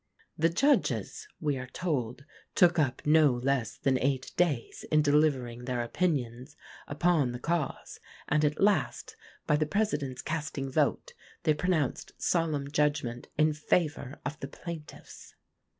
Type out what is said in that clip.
"The judges," we are told, "took up no less than eight days in delivering their opinions upon the cause; and at last, by the President's casting vote, they pronounced solemn judgment in favour of the plaintiffs."